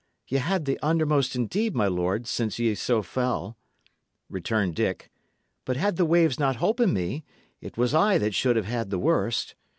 "Ye had the undermost indeed, my lord, since ye so fell," returned Dick; "but had the waves not holpen me, it was I that should have had the worst.